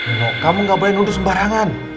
nino kamu gak boleh nuduh sembarangan